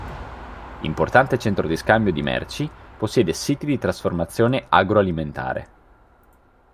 Importante centro di scambio di merci, possiede siti di trasformazione agroalimentare.